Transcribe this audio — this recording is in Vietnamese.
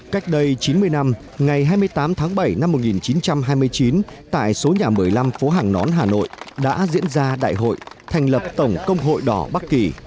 cách đây chín mươi năm ngày hai mươi tám tháng bảy năm một nghìn chín trăm hai mươi chín tại số nhà một mươi năm phố hàng nón hà nội đã diễn ra đại hội thành lập tổng công hội đỏ bắc kỳ